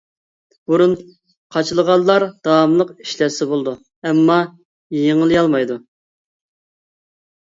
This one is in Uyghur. بۇرۇن قاچىلىغانلار داۋاملىق ئىشلەتسە بولىدۇ، ئەمما يېڭىلىيالمايدۇ.